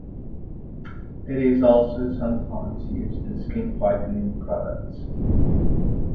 It is also sometimes used in skin whitening products.